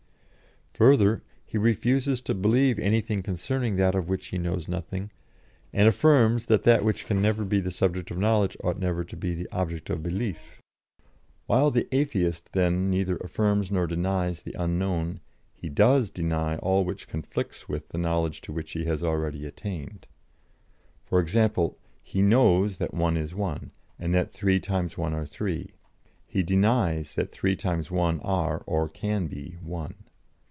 Further, he refuses to believe anything concerning that of which he knows nothing, and affirms that that which can never be the subject of knowledge ought never to be the object of belief. While the Atheist, then, neither affirms nor denies the unknown, he does deny all which conflicts with the knowledge to which he has already attained. For example, he knows that one is one, and that three times one are three; he denies that three times one are, or can be, one.